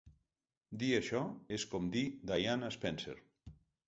Dir això és com dir Diana Spencer.